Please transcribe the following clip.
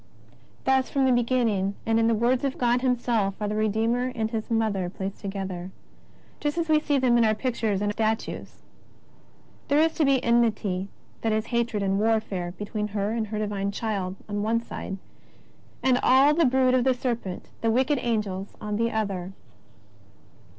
Thus from the beginning, and in the words of God Himself, are the Pedeomer and His Motlier placed to gether, just as we see them in our pictures and statues. There is to be enmity, that is, hatred and warfare, be tween her and her Divine Chihl on one side, and all the brood of the serpent, the wicked angels, on the JESUS OF NAZARETH. 31 other.